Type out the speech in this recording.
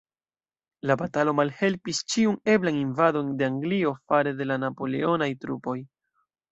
La batalo malhelpis ĉiun eblan invadon de Anglio fare de la napoleonaj trupoj.